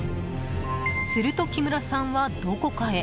すると木村さんは、どこかへ。